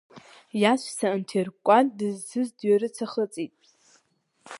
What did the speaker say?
Иаҵәца нҭиркәкәан, дызцыз дҩарыцахыҵит.